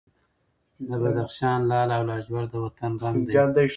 د بدخشان لعل او لاجورد د وطن رنګ دی.